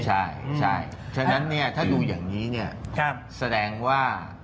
ใช่ฉะนั้นเนี่ยถ้าดูอย่างนี้เนี่ยแสดงว่า